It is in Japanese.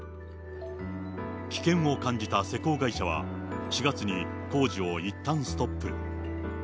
危険を感じた施工会社は、４月に工事をいったんストップ。